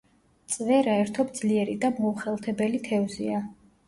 წვერა ერთობ ძლიერი და მოუხელთებელი თევზია.